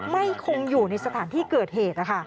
ไม่คงอยู่ในสถานที่เกิดเหตุ